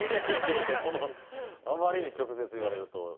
あまりに直接言われると。